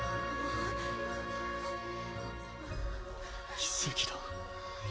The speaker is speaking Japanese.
奇跡だ。